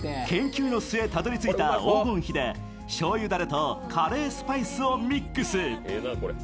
研究の末たどりついた黄金比で、しょうゆだれとカレースパイスをミックス。